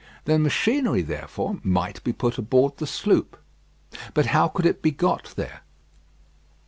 The machinery, therefore, might be put aboard the sloop. But how could it be got there?